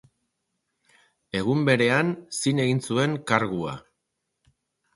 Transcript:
Egun berean zin egin zuen kargua.